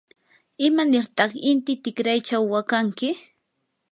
¿imanirtaq inti tikraychaw waqanki?